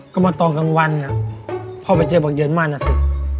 ก็มาตรงกลางวันพ่อไปเจอบังเยิ้นมาน่ะสิ